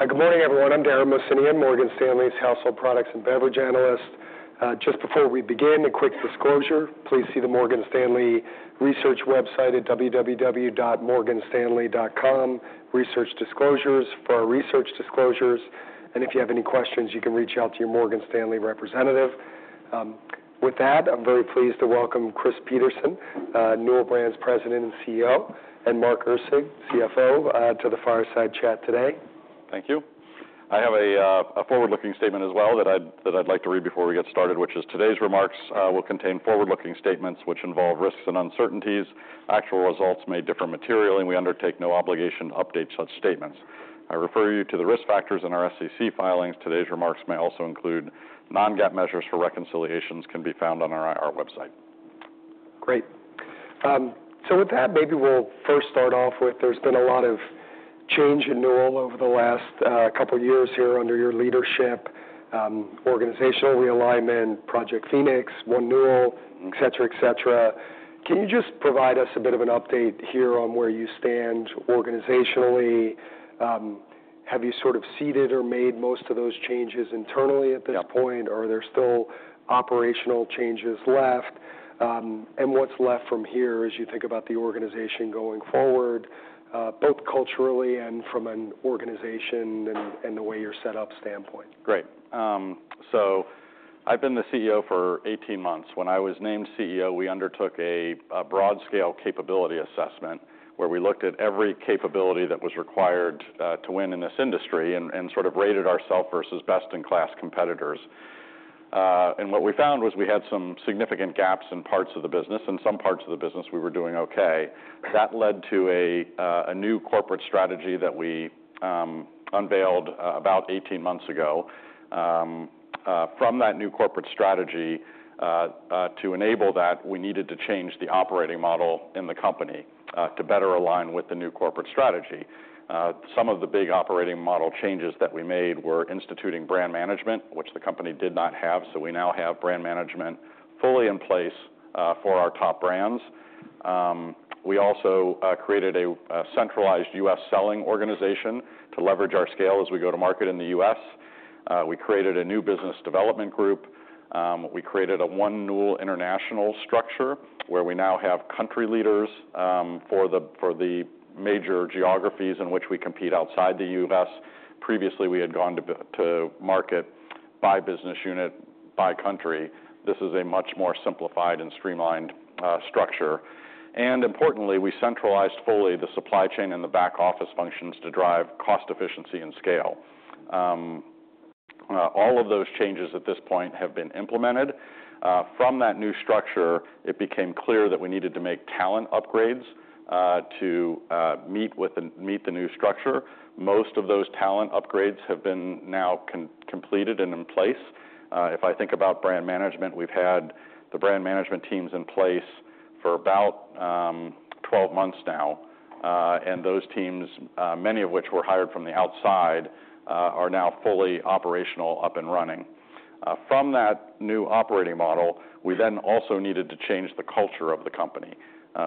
Good morning, everyone. I'm Dara Mohsenian, Morgan Stanley's household products and beverage analyst. Just before we begin, a quick disclosure: please see the Morgan Stanley research website at www.morganstanley.com, research disclosures, for our research disclosures. And if you have any questions, you can reach out to your Morgan Stanley representative. With that, I'm very pleased to welcome Chris Peterson, Newell Brands President and CEO, and Mark Erceg, CFO, to the fireside chat today. Thank you. I have a forward-looking statement as well that I'd like to read before we get started, which is, "Today's remarks will contain forward-looking statements which involve risks and uncertainties. Actual results may differ materially, and we undertake no obligation to update such statements. I refer you to the risk factors in our SEC filings. Today's remarks may also include non-GAAP measures, for reconciliations can be found on our website. Great, so with that, maybe we'll first start off with there's been a lot of change in Newell over the last couple of years here under your leadership: organizational realignment, Project Phoenix, One Newell, etc., etc. Can you just provide us a bit of an update here on where you stand organizationally? Have you sort of seeded or made most of those changes internally at this point? Are there still operational changes left, and what's left from here as you think about the organization going forward, both culturally and from an organization and the way you're set up standpoint? Great. So I've been the CEO for 18 months. When I was named CEO, we undertook a broad-scale capability assessment where we looked at every capability that was required to win in this industry and sort of rated ourself versus best-in-class competitors. And what we found was we had some significant gaps in parts of the business, and some parts of the business we were doing okay. That led to a new corporate strategy that we unveiled about 18 months ago. From that new corporate strategy, to enable that, we needed to change the operating model in the company to better align with the new corporate strategy. Some of the big operating model changes that we made were instituting brand management, which the company did not have, so we now have brand management fully in place for our top brands. We also created a centralized U.S. selling organization to leverage our scale as we go to market in the U.S. We created a new business development group. We created a One Newell International structure where we now have country leaders for the major geographies in which we compete outside the U.S. Previously, we had gone to market by business unit, by country. This is a much more simplified and streamlined structure, and importantly, we centralized fully the supply chain and the back office functions to drive cost efficiency and scale. All of those changes at this point have been implemented. From that new structure, it became clear that we needed to make talent upgrades to meet the new structure. Most of those talent upgrades have been now completed and in place. If I think about brand management, we've had the brand management teams in place for about 12 months now, and those teams, many of which were hired from the outside, are now fully operational, up and running. From that new operating model, we then also needed to change the culture of the company.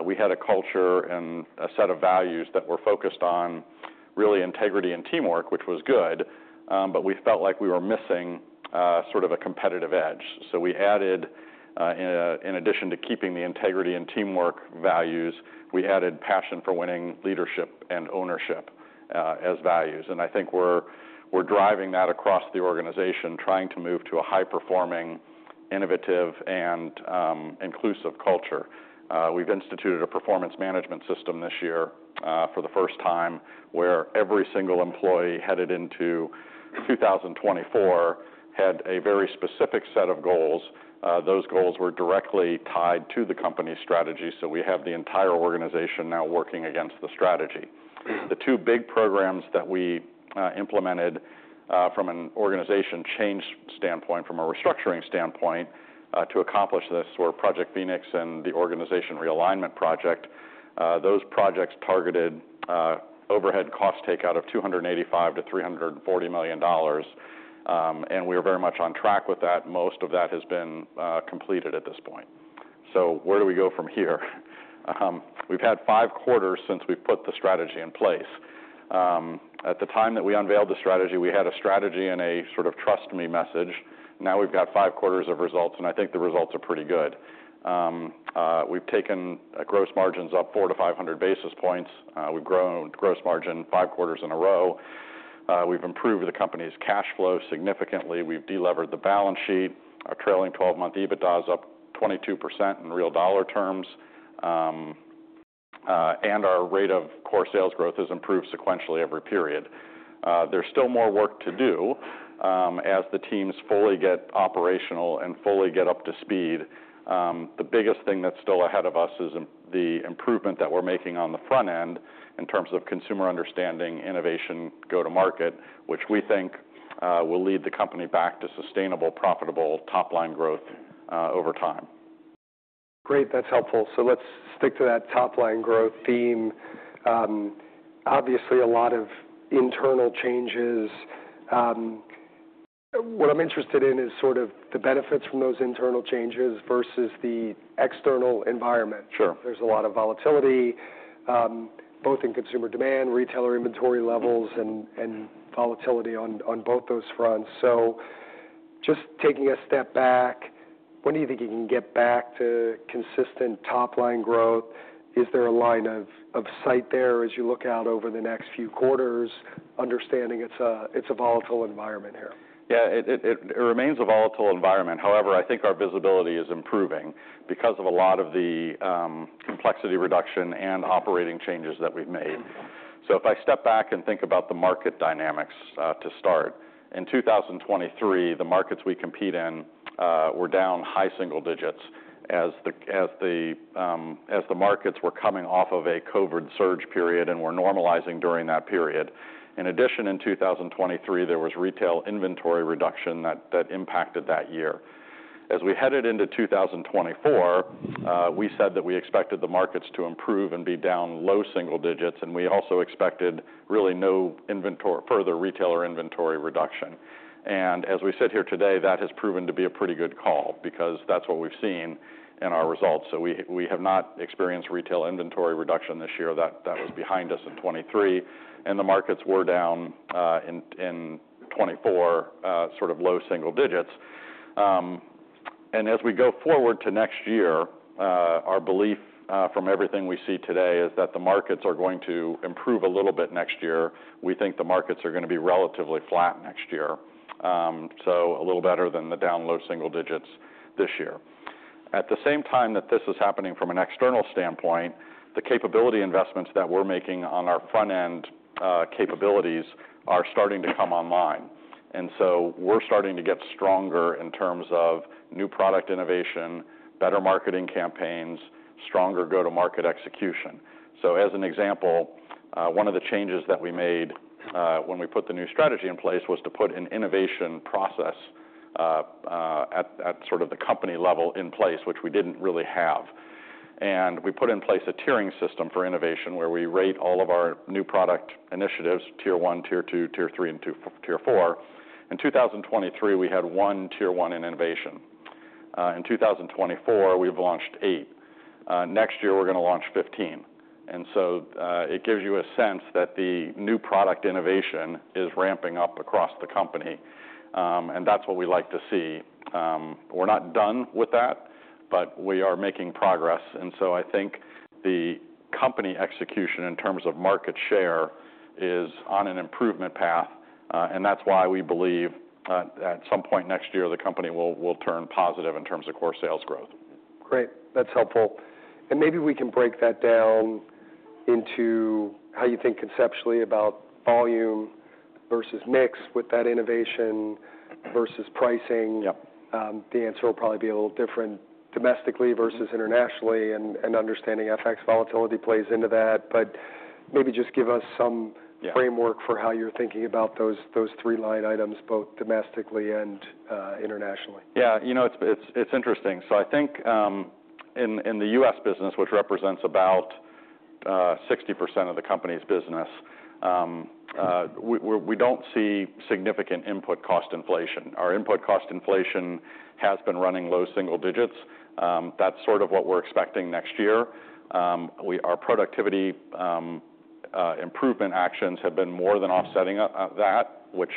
We had a culture and a set of values that were focused on really integrity and teamwork, which was good, but we felt like we were missing sort of a competitive edge. So we added, in addition to keeping the integrity and teamwork values, we added passion for winning, leadership, and ownership as values. And I think we're driving that across the organization, trying to move to a high-performing, innovative, and inclusive culture. We've instituted a performance management system this year for the first time where every single employee headed into 2024 had a very specific set of goals. Those goals were directly tied to the company's strategy, so we have the entire organization now working against the strategy. The two big programs that we implemented from an organization change standpoint, from a restructuring standpoint, to accomplish this were Project Phoenix and the organization realignment project. Those projects targeted overhead cost takeout of $285-$340 million, and we are very much on track with that. Most of that has been completed at this point. So where do we go from here? We've had five quarters since we've put the strategy in place. At the time that we unveiled the strategy, we had a strategy and a sort of trust me message. Now we've got five quarters of results, and I think the results are pretty good. We've taken gross margins up 400-500 basis points. We've grown gross margin five quarters in a row. We've improved the company's cash flow significantly. We've delevered the balance sheet. Our trailing 12-month EBITDA is up 22% in real dollar terms, and our rate of core sales growth has improved sequentially every period. There's still more work to do. As the teams fully get operational and fully get up to speed, the biggest thing that's still ahead of us is the improvement that we're making on the front end in terms of consumer understanding, innovation, go-to-market, which we think will lead the company back to sustainable, profitable top-line growth over time. Great. That's helpful. So let's stick to that top-line growth theme. Obviously, a lot of internal changes. What I'm interested in is sort of the benefits from those internal changes versus the external environment. Sure. There's a lot of volatility, both in consumer demand, retailer inventory levels, and volatility on both those fronts. So just taking a step back, when do you think you can get back to consistent top-line growth? Is there a line of sight there as you look out over the next few quarters, understanding it's a volatile environment here? Yeah, it remains a volatile environment. However, I think our visibility is improving because of a lot of the complexity reduction and operating changes that we've made. So if I step back and think about the market dynamics to start, in 2023, the markets we compete in were down high single digits as the markets were coming off of a COVID surge period and were normalizing during that period. In addition, in 2023, there was retail inventory reduction that impacted that year. As we headed into 2024, we said that we expected the markets to improve and be down low single digits, and we also expected really no further retailer inventory reduction. And as we sit here today, that has proven to be a pretty good call because that's what we've seen in our results. So we have not experienced retail inventory reduction this year. That was behind us in 2023, and the markets were down in 2024, sort of low single digits, and as we go forward to next year, our belief from everything we see today is that the markets are going to improve a little bit next year. We think the markets are going to be relatively flat next year, so a little better than the down low single digits this year. At the same time that this is happening from an external standpoint, the capability investments that we're making on our front-end capabilities are starting to come online, and so we're starting to get stronger in terms of new product innovation, better marketing campaigns, stronger go-to-market execution. So as an example, one of the changes that we made when we put the new strategy in place was to put an innovation process at sort of the company level in place, which we didn't really have. And we put in place a tiering system for innovation where we rate all of our new product initiatives: tier one, tier two, tier three, and tier four. In 2023, we had one tier one in innovation. In 2024, we've launched eight. Next year, we're going to launch 15. And so it gives you a sense that the new product innovation is ramping up across the company, and that's what we like to see. We're not done with that, but we are making progress. I think the company execution in terms of market share is on an improvement path, and that's why we believe at some point next year the company will turn positive in terms of core sales growth. Great. That's helpful. And maybe we can break that down into how you think conceptually about volume versus mix with that innovation versus pricing. The answer will probably be a little different domestically versus internationally, and understanding FX volatility plays into that. But maybe just give us some framework for how you're thinking about those three line items, both domestically and internationally. Yeah, you know it's interesting. So I think in the U.S. business, which represents about 60% of the company's business, we don't see significant input cost inflation. Our input cost inflation has been running low single digits. That's sort of what we're expecting next year. Our productivity improvement actions have been more than offsetting that, which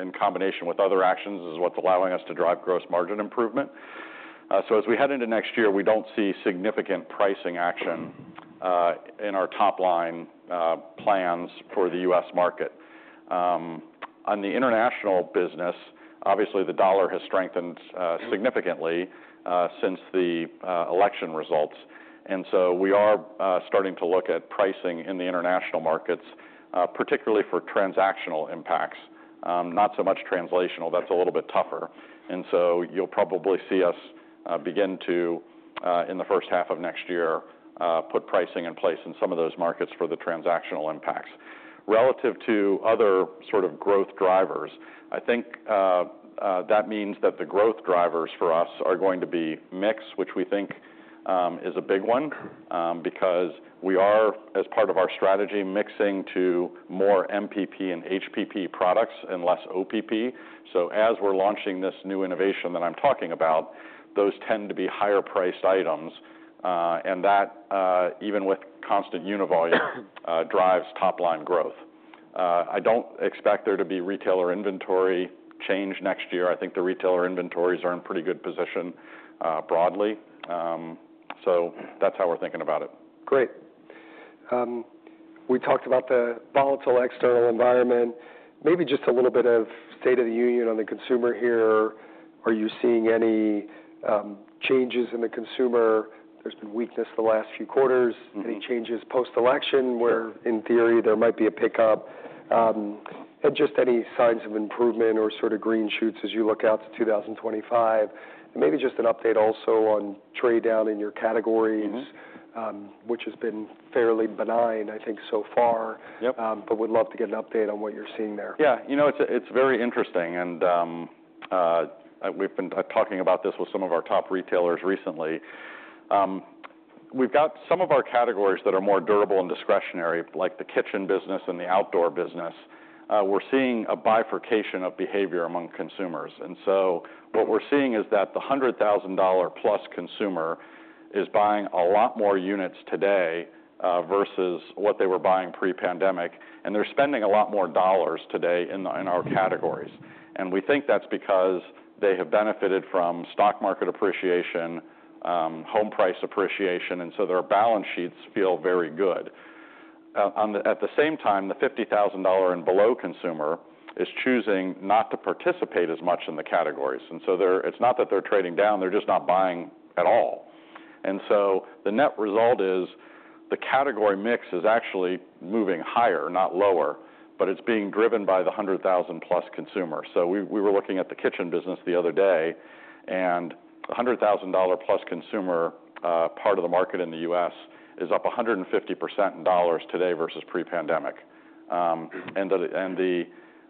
in combination with other actions is what's allowing us to drive gross margin improvement. So as we head into next year, we don't see significant pricing action in our top-line plans for the U.S. market. On the international business, obviously the dollar has strengthened significantly since the election results. And so we are starting to look at pricing in the international markets, particularly for transactional impacts, not so much translational. That's a little bit tougher. You'll probably see us begin to, in the first half of next year, put pricing in place in some of those markets for the transactional impacts. Relative to other sort of growth drivers, I think that means that the growth drivers for us are going to be mix, which we think is a big one because we are, as part of our strategy, mixing to more MPP and HPP products and less OPP. So as we're launching this new innovation that I'm talking about, those tend to be higher priced items, and that, even with constant unit volume, drives top-line growth. I don't expect there to be retailer inventory change next year. I think the retailer inventories are in pretty good position broadly. So that's how we're thinking about it. Great. We talked about the volatile external environment. Maybe just a little bit of state of the union on the consumer here. Are you seeing any changes in the consumer? There's been weakness the last few quarters. Any changes post-election where, in theory, there might be a pickup? And just any signs of improvement or sort of green shoots as you look out to 2025? And maybe just an update also on trade down in your categories, which has been fairly benign, I think, so far, but would love to get an update on what you're seeing there. Yeah, you know it's very interesting, and we've been talking about this with some of our top retailers recently. We've got some of our categories that are more durable and discretionary, like the Kitchen business and the Outdoor business. We're seeing a bifurcation of behavior among consumers. And so what we're seeing is that the $100,000 plus consumer is buying a lot more units today versus what they were buying pre-pandemic, and they're spending a lot more dollars today in our categories. And we think that's because they have benefited from stock market appreciation, home price appreciation, and so their balance sheets feel very good. At the same time, the $50,000 and below consumer is choosing not to participate as much in the categories. And so it's not that they're trading down. They're just not buying at all. And so the net result is the category mix is actually moving higher, not lower, but it's being driven by the $100,000 plus consumer. So we were looking at the Kitchen business the other day, and the $100,000 plus consumer part of the market in the U.S. is up 150% in dollars today versus pre-pandemic. And the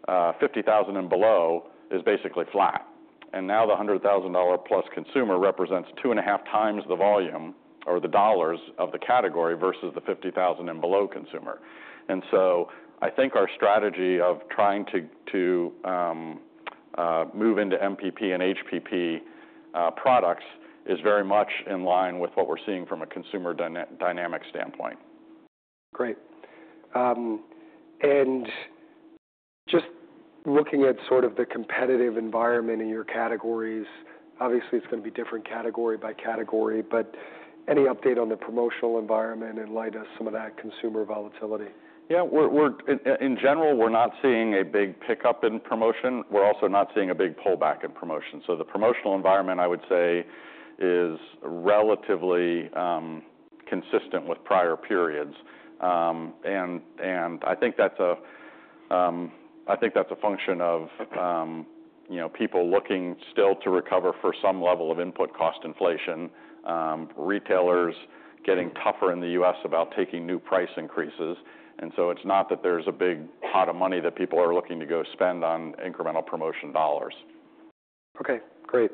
$50,000 and below is basically flat. And now the $100,000 plus consumer represents two and a half times the volume or the dollars of the category versus the $50,000 and below consumer. And so I think our strategy of trying to move into MPP and HPP products is very much in line with what we're seeing from a consumer dynamic standpoint. Great. And just looking at sort of the competitive environment in your categories, obviously it's going to be different category by category, but any update on the promotional environment in light of some of that consumer volatility? Yeah, in general, we're not seeing a big pickup in promotion. We're also not seeing a big pullback in promotion. So the promotional environment, I would say, is relatively consistent with prior periods. And I think that's a function of people looking still to recover for some level of input cost inflation, retailers getting tougher in the U.S. about taking new price increases. And so it's not that there's a big pot of money that people are looking to go spend on incremental promotion dollars. Okay, great.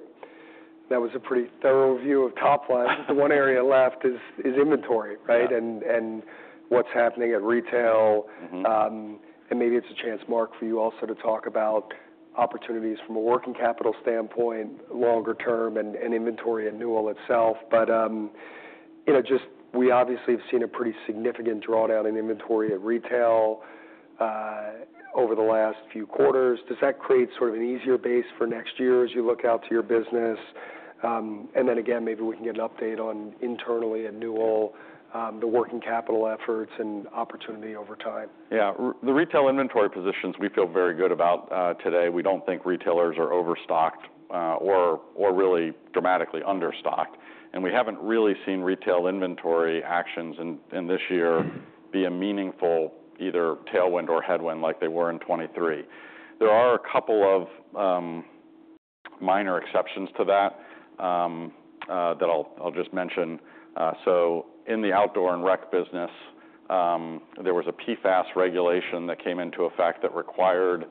That was a pretty thorough view of top line. The one area left is inventory, right, and what's happening at retail. And maybe it's a chance, Mark, for you also to talk about opportunities from a working capital standpoint, longer term, and inventory in and of itself. But just, we obviously have seen a pretty significant drawdown in inventory at retail over the last few quarters. Does that create sort of an easier base for next year as you look out to your business? And then again, maybe we can get an update on internally at Newell, the working capital efforts and opportunity over time. Yeah, the retail inventory positions we feel very good about today. We don't think retailers are overstocked or really dramatically understocked, and we haven't really seen retail inventory actions in this year be a meaningful either tailwind or headwind like they were in 2023. There are a couple of minor exceptions to that that I'll just mention, so in the Outdoor and Rec business, there was a PFAS regulation that came into effect that required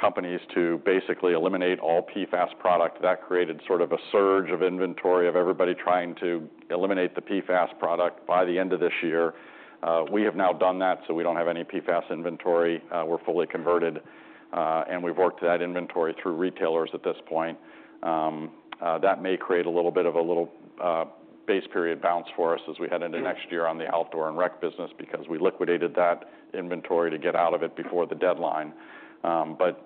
companies to basically eliminate all PFAS product. That created sort of a surge of inventory of everybody trying to eliminate the PFAS product by the end of this year. We have now done that, so we don't have any PFAS inventory. We're fully converted, and we've worked that inventory through retailers at this point. That may create a little bit of a little base period bounce for us as we head into next year on the Outdoor and Rec business because we liquidated that inventory to get out of it before the deadline. But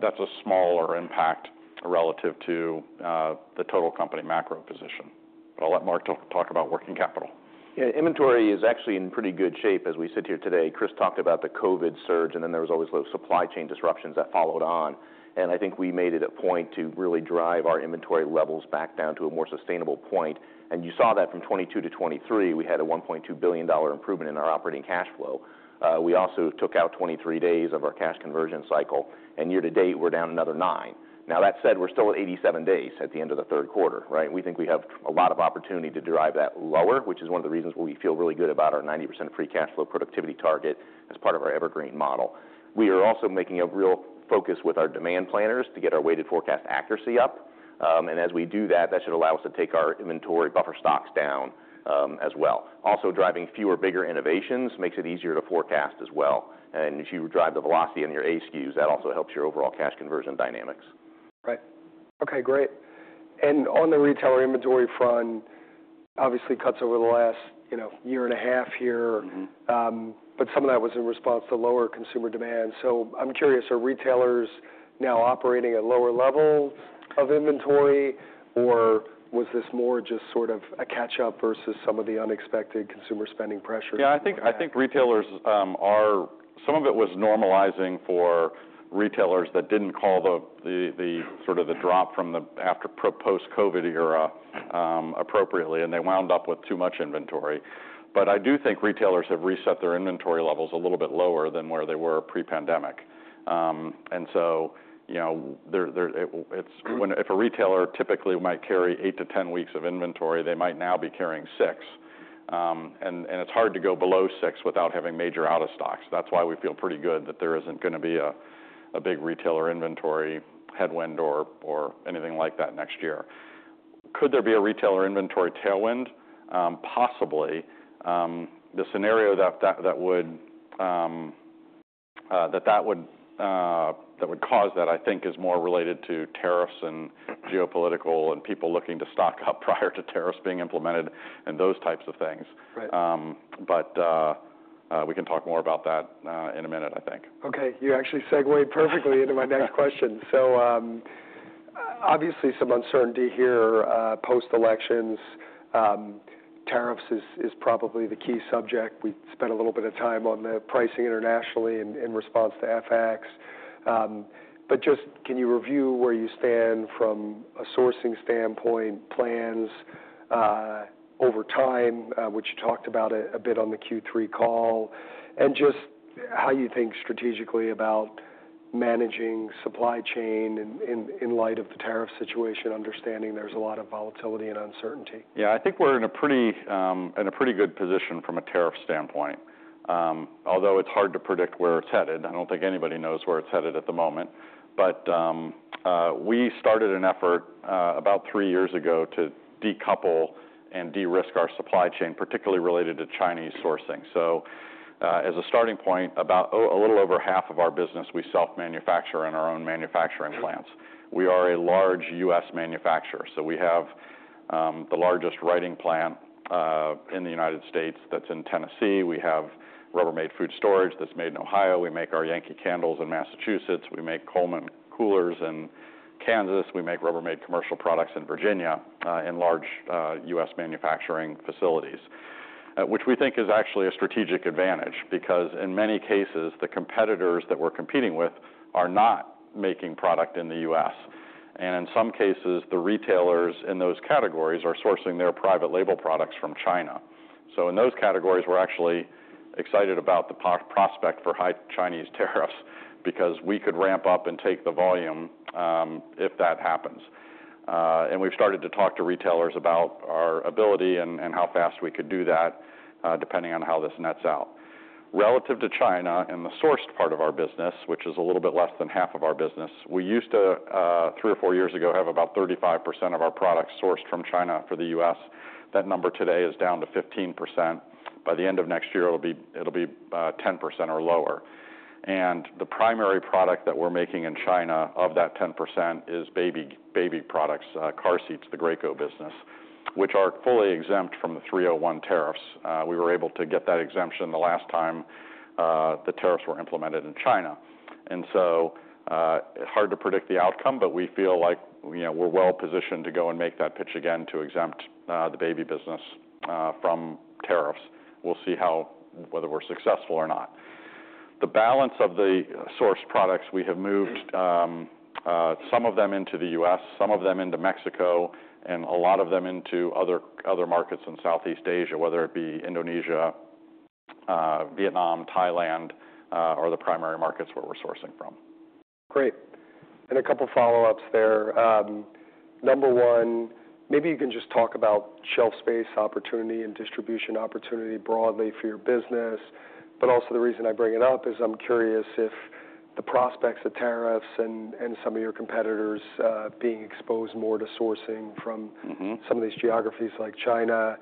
that's a smaller impact relative to the total company macro position. But I'll let Mark talk about working capital. Yeah, inventory is actually in pretty good shape as we sit here today. Chris talked about the COVID surge, and then there was always those supply chain disruptions that followed on. And I think we made it a point to really drive our inventory levels back down to a more sustainable point. And you saw that from 2022-2023, we had a $1.2 billion improvement in our operating cash flow. We also took out 23 days of our cash conversion cycle, and year to date, we're down another nine. Now that said, we're still at 87 days at the end of the third quarter, right? We think we have a lot of opportunity to drive that lower, which is one of the reasons why we feel really good about our 90% free cash flow productivity target as part of our evergreen model. We are also making a real focus with our demand planners to get our weighted forecast accuracy up. And as we do that, that should allow us to take our inventory buffer stocks down as well. Also driving fewer bigger innovations makes it easier to forecast as well. And if you drive the velocity on your A SKUs, that also helps your overall cash conversion dynamics. Right. Okay, great, and on the retailer inventory front, obviously cuts over the last year and a half here, but some of that was in response to lower consumer demand, so I'm curious, are retailers now operating at lower levels of inventory, or was this more just sort of a catch-up versus some of the unexpected consumer spending pressure? Yeah, I think retailers are some of it was normalizing for retailers that didn't call the sort of the drop from the after post-COVID era appropriately, and they wound up with too much inventory. But I do think retailers have reset their inventory levels a little bit lower than where they were pre-pandemic. And so if a retailer typically might carry eight-to-ten weeks of inventory, they might now be carrying six. And it's hard to go below six without having major out-of-stocks. That's why we feel pretty good that there isn't going to be a big retailer inventory headwind or anything like that next year. Could there be a retailer inventory tailwind? Possibly. The scenario that would cause that, I think, is more related to tariffs and geopolitical and people looking to stock up prior to tariffs being implemented and those types of things. But we can talk more about that in a minute, I think. Okay, you actually segued perfectly into my next question. So obviously some uncertainty here post-elections. Tariffs is probably the key subject. We spent a little bit of time on the pricing internationally in response to FX. But just can you review where you stand from a sourcing standpoint, plans over time, which you talked about a bit on the Q3 call, and just how you think strategically about managing supply chain in light of the tariff situation, understanding there's a lot of volatility and uncertainty? Yeah, I think we're in a pretty good position from a tariff standpoint, although it's hard to predict where it's headed. I don't think anybody knows where it's headed at the moment. But we started an effort about three years ago to decouple and de-risk our supply chain, particularly related to Chinese sourcing. So as a starting point, about a little over half of our business, we self-manufacture in our own manufacturing plants. We are a large U.S. manufacturer. So we have the largest writing plant in the United States that's in Tennessee. We have Rubbermaid Food Storage that's made in Ohio. We make our Yankee Candle in Massachusetts. We make Coleman coolers in Kansas. We make Rubbermaid Commercial Products in Virginia in large U.S. Manufacturing facilities, which we think is actually a strategic advantage because in many cases, the competitors that we're competing with are not making product in the U.S., and in some cases, the retailers in those categories are sourcing their private label products from China. So in those categories, we're actually excited about the prospect for high Chinese tariffs because we could ramp up and take the volume if that happens, and we've started to talk to retailers about our ability and how fast we could do that depending on how this nets out. Relative to China and the sourced part of our business, which is a little bit less than half of our business, we used to, three or four years ago, have about 35% of our products sourced from China for the U.S. That number today is down to 15%. By the end of next year, it'll be 10% or lower. The primary product that we're making in China of that 10% is baby products, car seats, the Graco business, which are fully exempt from the 301 tariffs. We were able to get that exemption the last time the tariffs were implemented in China. Hard to predict the outcome, but we feel like we're well positioned to go and make that pitch again to exempt the Baby business from tariffs. We'll see whether we're successful or not. The balance of the sourced products, we have moved some of them into the U.S., some of them into Mexico, and a lot of them into other markets in Southeast Asia, whether it be Indonesia, Vietnam, Thailand, or the primary markets where we're sourcing from. Great. And a couple of follow-ups there. Number one, maybe you can just talk about shelf space opportunity and distribution opportunity broadly for your business. But also the reason I bring it up is I'm curious if the prospects of tariffs and some of your competitors being exposed more to sourcing from some of these geographies like China,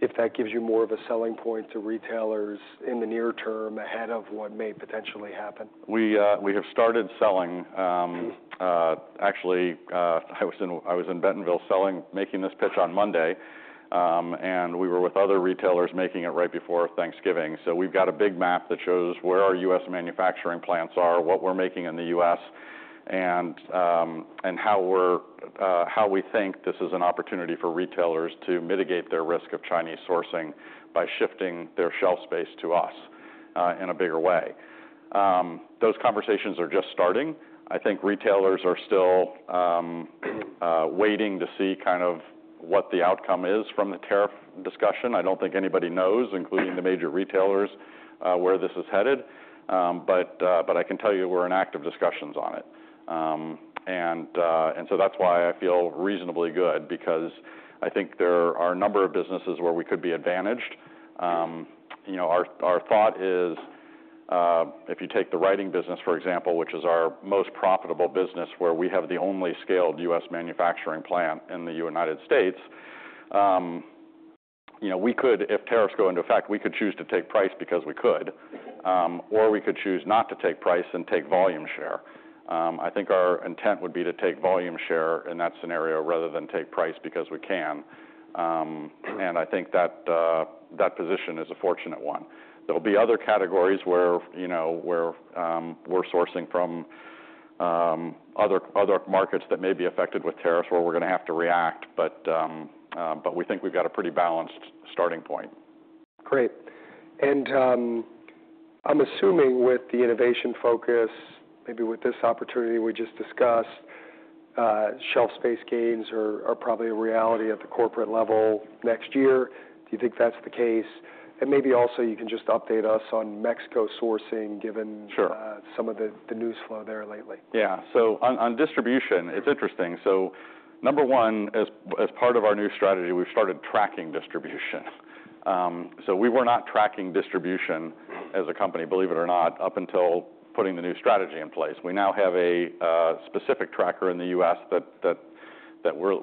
if that gives you more of a selling point to retailers in the near term ahead of what may potentially happen. We have started selling. Actually, I was in Bentonville making this pitch on Monday, and we were with other retailers making it right before Thanksgiving. So we've got a big map that shows where our U.S. manufacturing plants are, what we're making in the U.S., and how we think this is an opportunity for retailers to mitigate their risk of Chinese sourcing by shifting their shelf space to us in a bigger way. Those conversations are just starting. I think retailers are still waiting to see kind of what the outcome is from the tariff discussion. I don't think anybody knows, including the major retailers, where this is headed. But I can tell you we're in active discussions on it. And so that's why I feel reasonably good because I think there are a number of businesses where we could be advantaged. Our thought is if you take the Writing business, for example, which is our most profitable business, where we have the only scaled U.S. manufacturing plant in the United States, if tariffs go into effect, we could choose to take price because we could, or we could choose not to take price and take volume share. I think our intent would be to take volume share in that scenario rather than take price because we can. And I think that position is a fortunate one. There'll be other categories where we're sourcing from other markets that may be affected with tariffs where we're going to have to react, but we think we've got a pretty balanced starting point. Great. And I'm assuming with the innovation focus, maybe with this opportunity we just discussed, shelf space gains are probably a reality at the corporate level next year. Do you think that's the case? And maybe also you can just update us on Mexico sourcing given some of the news flow there lately. Yeah. So on distribution, it's interesting. So number one, as part of our new strategy, we've started tracking distribution. So we were not tracking distribution as a company, believe it or not, up until putting the new strategy in place. We now have a specific tracker in the U.S. that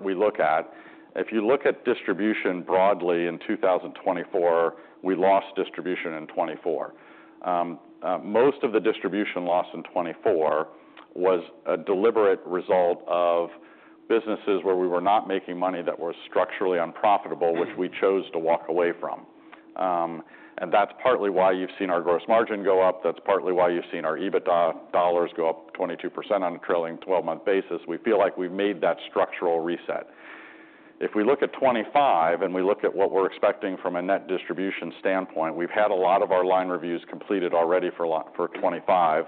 we look at. If you look at distribution broadly in 2024, we lost distribution in 2024. Most of the distribution loss in 2024 was a deliberate result of businesses where we were not making money that were structurally unprofitable, which we chose to walk away from. And that's partly why you've seen our gross margin go up. That's partly why you've seen our EBITDA dollars go up 22% on a trailing 12-month basis. We feel like we've made that structural reset. If we look at 2025 and we look at what we're expecting from a net distribution standpoint, we've had a lot of our line reviews completed already for 2025,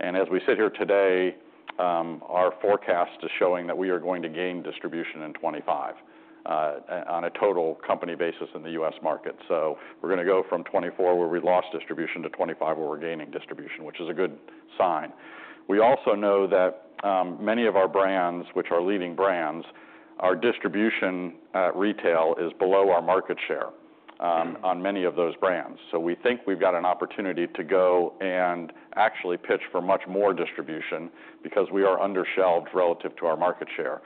and as we sit here today, our forecast is showing that we are going to gain distribution in 2025 on a total company basis in the U.S. market, so we're going to go from 2024 where we lost distribution to 2025 where we're gaining distribution, which is a good sign. We also know that many of our brands, which are leading brands, our distribution retail is below our market share on many of those brands, so we think we've got an opportunity to go and actually pitch for much more distribution because we are undershelved relative to our market share.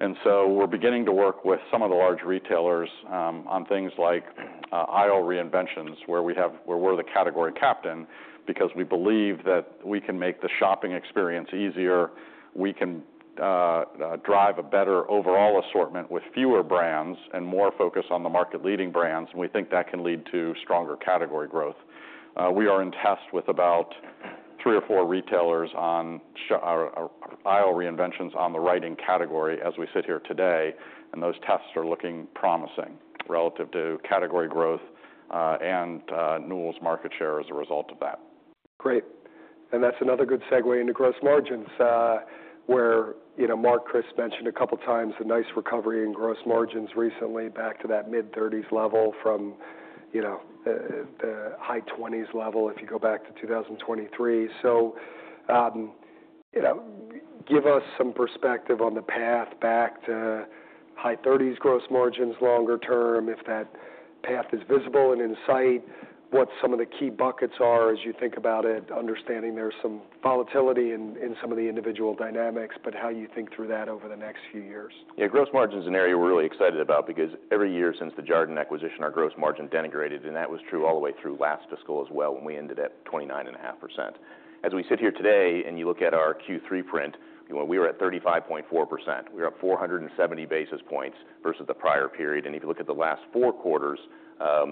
And so we're beginning to work with some of the large retailers on things like aisle reinventions, where we're the category captain because we believe that we can make the shopping experience easier. We can drive a better overall assortment with fewer brands and more focus on the market-leading brands. And we think that can lead to stronger category growth. We are in test with about three or four retailers on aisle reinventions on the writing category as we sit here today. And those tests are looking promising relative to category growth and Newell Brands' market share as a result of that. Great. And that's another good segue into gross margins where Mark, Chris mentioned a couple of times a nice recovery in gross margins recently back to that mid-30s level from the high 20s level if you go back to 2023. So give us some perspective on the path back to high 30s gross margins longer term. If that path is visible and in sight, what some of the key buckets are as you think about it, understanding there's some volatility in some of the individual dynamics, but how you think through that over the next few years. Yeah, gross margin is an area we're really excited about because every year since the Jarden acquisition, our gross margin deteriorated. And that was true all the way through last fiscal as well when we ended at 29.5%. As we sit here today and you look at our Q3 print, we were at 35.4%. We were up 470 basis points versus the prior period. And if you look at the last four quarters,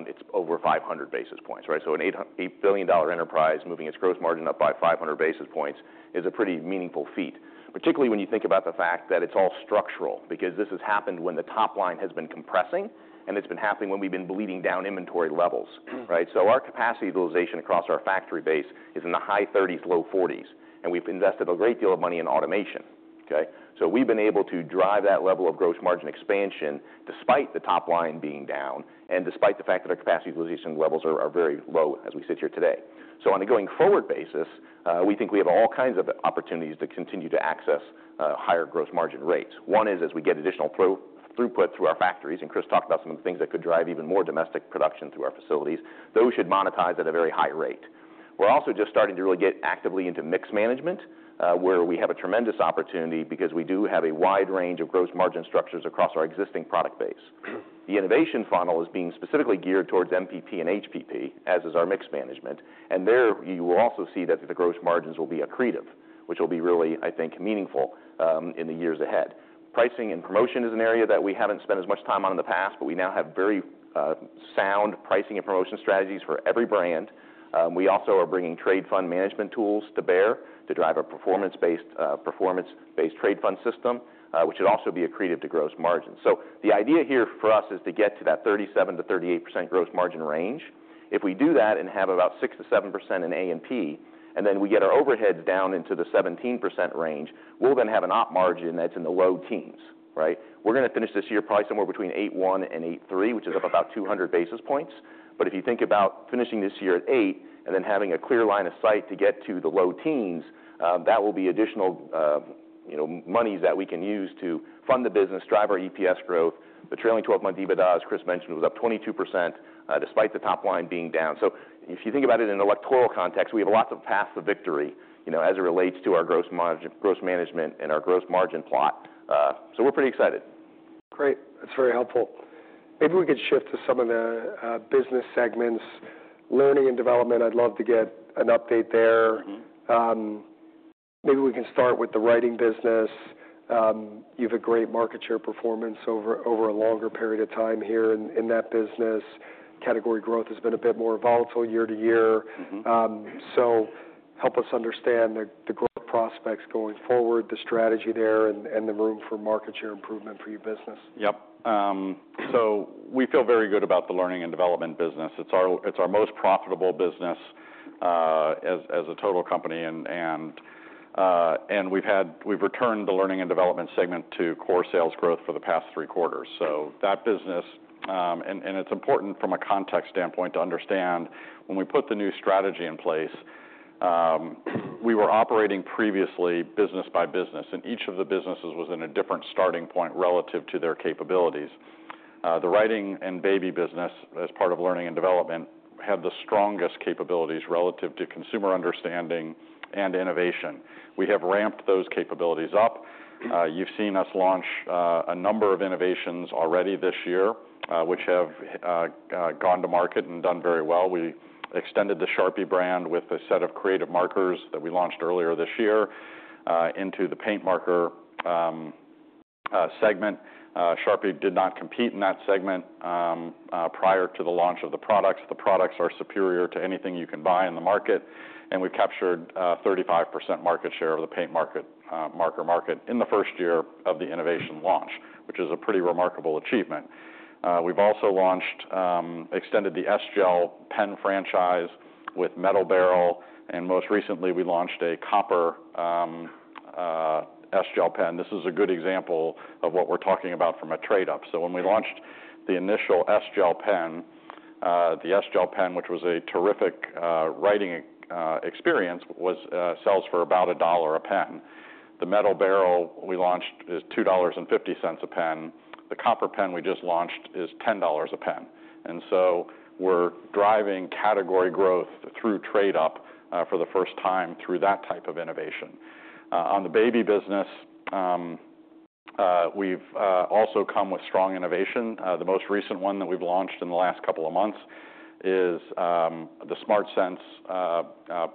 it's over 500 basis points, right? So an $8 billion enterprise moving its gross margin up by 500 basis points is a pretty meaningful feat, particularly when you think about the fact that it's all structural because this has happened when the top line has been compressing and it's been happening when we've been bleeding down inventory levels, right? So our capacity utilization across our factory base is in the high 30s, low 40s. We've invested a great deal of money in automation. Okay? We've been able to drive that level of gross margin expansion despite the top line being down and despite the fact that our capacity utilization levels are very low as we sit here today. On a going forward basis, we think we have all kinds of opportunities to continue to access higher gross margin rates. One is as we get additional throughput through our factories, and Chris talked about some of the things that could drive even more domestic production through our facilities, those should monetize at a very high rate. We're also just starting to really get actively into mix management where we have a tremendous opportunity because we do have a wide range of gross margin structures across our existing product base. The innovation funnel is being specifically geared towards MPP and HPP, as is our mixed management. There you will also see that the gross margins will be accretive, which will be really, I think, meaningful in the years ahead. Pricing and promotion is an area that we haven't spent as much time on in the past, but we now have very sound pricing and promotion strategies for every brand. We also are bringing trade fund management tools to bear to drive a performance-based trade fund system, which should also be accretive to gross margin. The idea here for us is to get to that 37%-38% gross margin range. If we do that and have about 6%-7% in A&P, and then we get our overhead down into the 17% range, we'll then have an op margin that's in the low teens, right? We're going to finish this year probably somewhere between 8.1% and 8.3%, which is up about 200 basis points. But if you think about finishing this year at 8% and then having a clear line of sight to get to the low teens, that will be additional monies that we can use to fund the business, drive our EPS growth. The trailing 12-month EBITDAs, Chris mentioned, was up 22% despite the top line being down. So if you think about it in an electoral context, we have a lot of path to victory as it relates to our gross management and our gross margin plot. So we're pretty excited. Great. That's very helpful. Maybe we could shift to some of the business segments, Learning and Development. I'd love to get an update there. Maybe we can start with the Writing business. You've had great market share performance over a longer period of time here in that business. Category growth has been a bit more volatile year to year. So help us understand the growth prospects going forward, the strategy there, and the room for market share improvement for your business. Yep, so we feel very good about the Learning and Development business. It's our most profitable business as a total company, and we've returned the Learning and Development segment to core sales growth for the past three quarters, so that business, and it's important from a context standpoint to understand when we put the new strategy in place, we were operating previously business by business, and each of the businesses was in a different starting point relative to their capabilities. The Writing and Baby business, as part of Learning and Development, had the strongest capabilities relative to consumer understanding and innovation. We have ramped those capabilities up. You've seen us launch a number of innovations already this year, which have gone to market and done very well. We extended the Sharpie brand with a set of Creative Markers that we launched earlier this year into the paint marker segment. Sharpie did not compete in that segment prior to the launch of the products. The products are superior to anything you can buy in the market. And we've captured 35% market share of the paint marker market in the first year of the innovation launch, which is a pretty remarkable achievement. We've also launched, extended the S-Gel pen franchise with metal barrel. And most recently, we launched a copper S-Gel pen. This is a good example of what we're talking about from a trade-up. So when we launched the initial S-Gel pen, the S-Gel pen, which was a terrific writing experience, sells for about $1 a pen. The metal barrel we launched is $2.50 a pen. The copper pen we just launched is $10 a pen. And so we're driving category growth through trade-up for the first time through that type of innovation. On the Baby business, we've also come with strong innovation. The most recent one that we've launched in the last couple of months is the SmartSense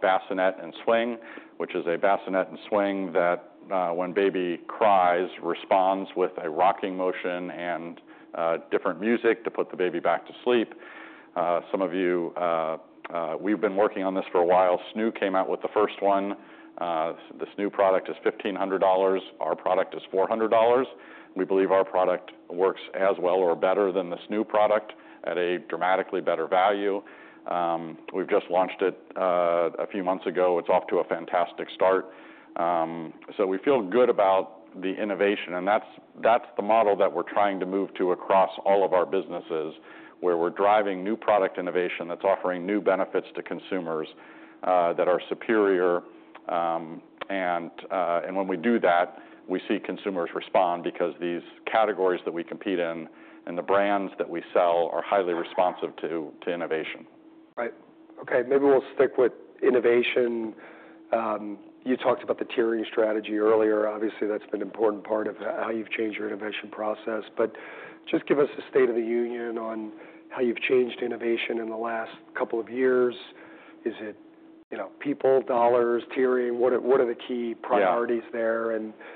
Bassinet and Swing, which is a bassinet and swing that when baby cries, responds with a rocking motion and different music to put the baby back to sleep. Some of you, we've been working on this for a while. Snoo came out with the first one. The Snoo product is $1,500. Our product is $400. We believe our product works as well or better than the Snoo product at a dramatically better value. We've just launched it a few months ago. It's off to a fantastic start. So we feel good about the innovation, and that's the model that we're trying to move to across all of our businesses where we're driving new product innovation that's offering new benefits to consumers that are superior. When we do that, we see consumers respond because these categories that we compete in and the brands that we sell are highly responsive to innovation. Right. Okay. Maybe we'll stick with innovation. You talked about the tiering strategy earlier. Obviously, that's been an important part of how you've changed your innovation process. But just give us a state of the union on how you've changed innovation in the last couple of years. Is it people, dollars, tiering? What are the key priorities there?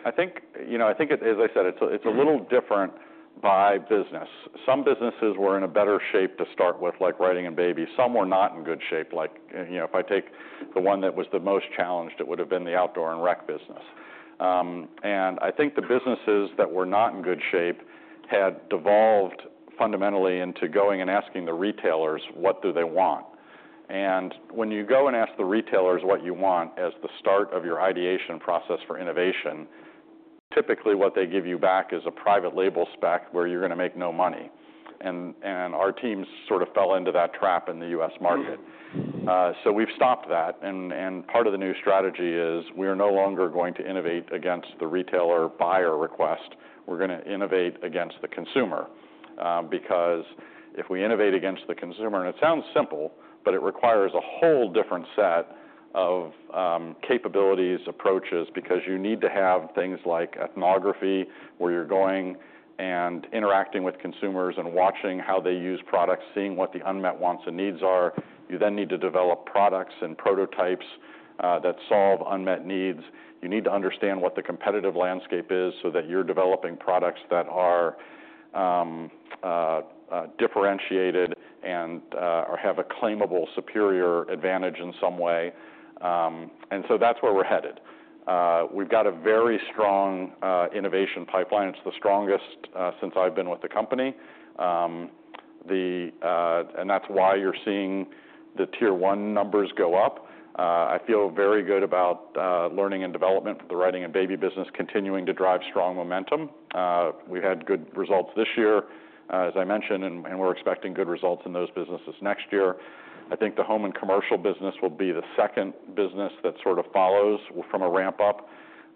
I think, as I said, it's a little different by business. Some businesses were in a better shape to start with, like writing and baby. Some were not in good shape. If I take the one that was the most challenged, it would have been the Outdoor and Rec business. And I think the businesses that were not in good shape had devolved fundamentally into going and asking the retailers, "What do they want?" And when you go and ask the retailers what you want as the start of your ideation process for innovation, typically what they give you back is a private label spec where you're going to make no money. And our team sort of fell into that trap in the U.S. market. So we've stopped that. And part of the new strategy is we are no longer going to innovate against the retailer buyer request. We're going to innovate against the consumer because if we innovate against the consumer, and it sounds simple, but it requires a whole different set of capabilities, approaches, because you need to have things like ethnography where you're going and interacting with consumers and watching how they use products, seeing what the unmet wants and needs are. You then need to develop products and prototypes that solve unmet needs. You need to understand what the competitive landscape is so that you're developing products that are differentiated and have a claimable superior advantage in some way. And so that's where we're headed. We've got a very strong innovation pipeline. It's the strongest since I've been with the company. And that's why you're seeing the Tier 1 numbers go up. I feel very good about learning and development for the writing and Baby business continuing to drive strong momentum. We've had good results this year, as I mentioned, and we're expecting good results in those businesses next year. I think the Home and Commercial business will be the second business that sort of follows from a ramp-up.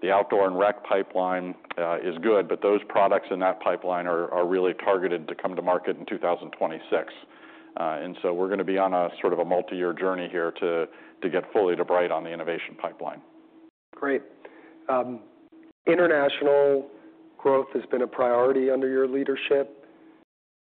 The Outdoor and Rec pipeline is good, but those products in that pipeline are really targeted to come to market in 2026, and so we're going to be on a sort of a multi-year journey here to get fully right on the innovation pipeline. Great. International growth has been a priority under your leadership.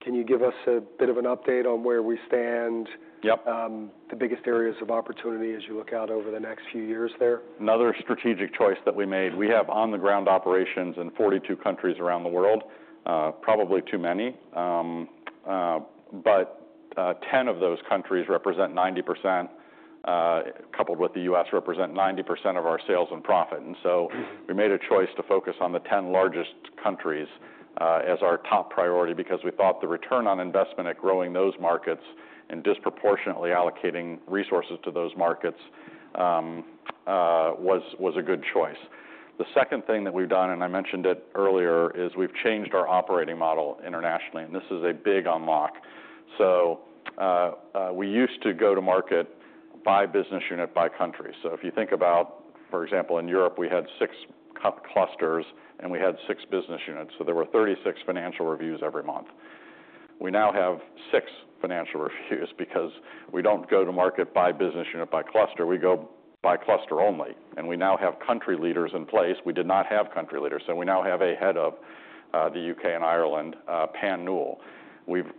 Can you give us a bit of an update on where we stand, the biggest areas of opportunity as you look out over the next few years there? Another strategic choice that we made. We have on-the-ground operations in 42 countries around the world, probably too many. But 10 of those countries represent 90%, coupled with the U.S., represent 90% of our sales and profit. And so we made a choice to focus on the 10 largest countries as our top priority because we thought the return on investment at growing those markets and disproportionately allocating resources to those markets was a good choice. The second thing that we've done, and I mentioned it earlier, is we've changed our operating model internationally. And this is a big unlock. So we used to go to market by business unit, by country. So if you think about, for example, in Europe, we had six clusters and we had six business units. So there were 36 financial reviews every month. We now have six financial reviews because we don't go to market by business unit, by cluster. We go by cluster only. And we now have country leaders in place. We did not have country leaders. So we now have a head of the UK and Ireland, One Newell.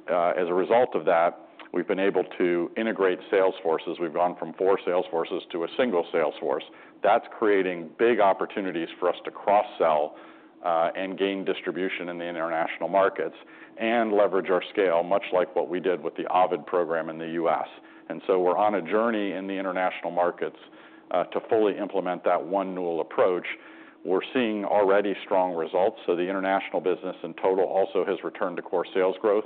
As a result of that, we've been able to integrate sales forces. We've gone from four sales forces to a single sales force. That's creating big opportunities for us to cross-sell and gain distribution in the international markets and leverage our scale, much like what we did with the Ovid program in the U.S. And so we're on a journey in the international markets to fully implement that One Newell approach. We're seeing already strong results. So the international business in total also has returned to core sales growth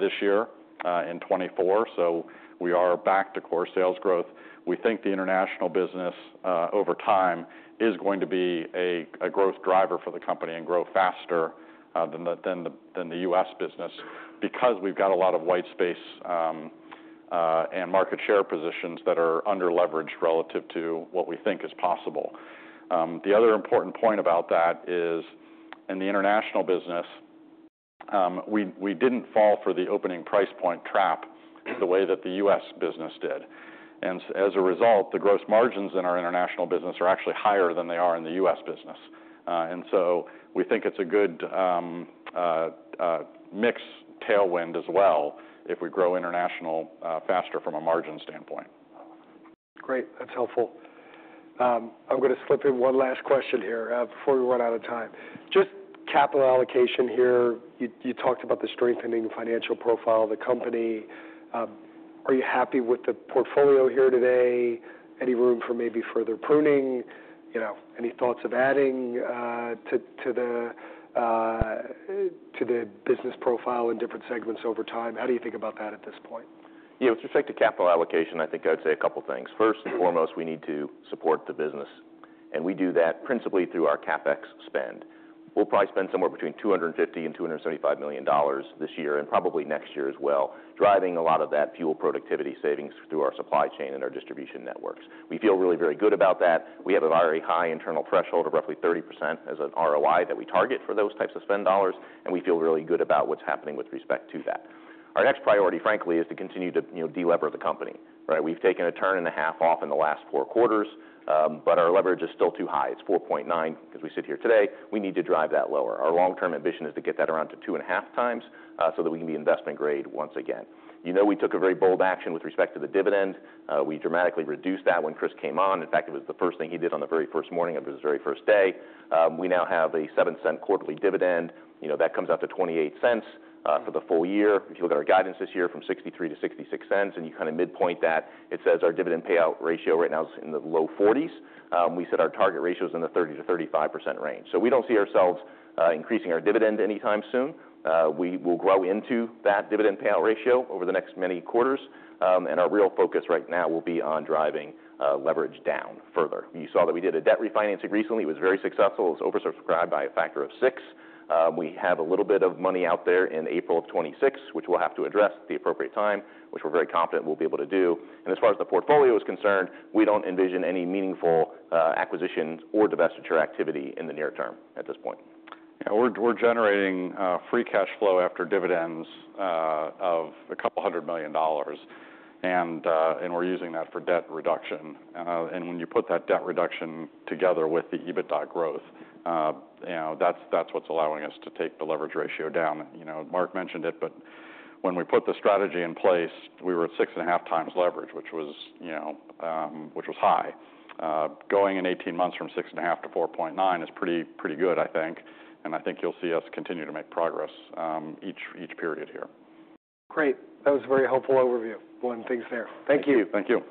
this year in 2024. So we are back to core sales growth. We think the international business over time is going to be a growth driver for the company and grow faster than the U.S. business because we've got a lot of white space and market share positions that are underleveraged relative to what we think is possible. The other important point about that is in the international business, we didn't fall for the opening price point trap the way that the U.S. business did. And as a result, the gross margins in our international business are actually higher than they are in the U.S. business. And so we think it's a good mixed tailwind as well if we grow international faster from a margin standpoint. Great. That's helpful. I'm going to slip in one last question here before we run out of time. Just capital allocation here. You talked about the strengthening financial profile of the company. Are you happy with the portfolio here today? Any room for maybe further pruning? Any thoughts of adding to the business profile in different segments over time? How do you think about that at this point? Yeah. With respect to capital allocation, I think I'd say a couple of things. First and foremost, we need to support the business. And we do that principally through our CapEx spend. We'll probably spend somewhere between $250 and $275 million this year and probably next year as well, driving a lot of that fuel productivity savings through our supply chain and our distribution networks. We feel really very good about that. We have a very high internal threshold of roughly 30% as an ROI that we target for those types of spend dollars. And we feel really good about what's happening with respect to that. Our next priority, frankly, is to continue to delever the company, right? We've taken a turn and a half off in the last four quarters, but our leverage is still too high. It's 4.9 because we sit here today. We need to drive that lower. Our long-term ambition is to get that around to two and a half times so that we can be investment-grade once again. You know we took a very bold action with respect to the dividend. We dramatically reduced that when Chris came on. In fact, it was the first thing he did on the very first morning of his very first day. We now have a $0.07 quarterly dividend. That comes out to $0.28 for the full year. If you look at our guidance this year from $0.63-$0.66, and you kind of midpoint that, it says our dividend payout ratio right now is in the low 40s. We said our target ratio is in the 30%-35% range. So we don't see ourselves increasing our dividend anytime soon. We will grow into that dividend payout ratio over the next many quarters. And our real focus right now will be on driving leverage down further. You saw that we did a debt refinancing recently. It was very successful. It was oversubscribed by a factor of six. We have a little bit of money out there in April of 2026, which we'll have to address at the appropriate time, which we're very confident we'll be able to do. And as far as the portfolio is concerned, we don't envision any meaningful acquisitions or divestiture activity in the near term at this point. Yeah. We're generating free cash flow after dividends of $200 million. And we're using that for debt reduction. And when you put that debt reduction together with the EBITDA growth, that's what's allowing us to take the leverage ratio down. Mark mentioned it, but when we put the strategy in place, we were at six and a half times leverage, which was high. Going in 18 months from 6.5-4.9 is pretty good, I think. And I think you'll see us continue to make progress each period here. Great. That was a very helpful overview. Gentlemen, thanks there. Thank you Thank you.